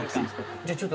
じゃあちょっと。